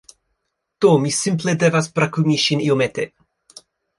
Do, mi simple devas brakumi ŝin iomete